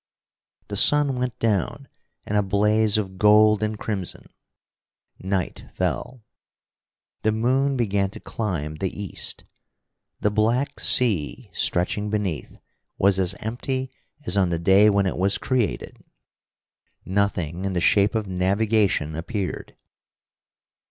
The sun went down in a blaze of gold and crimson. Night fell. The moon began to climb the east. The black sea, stretching beneath, was as empty as on the day when it was created. Nothing in the shape of navigation appeared.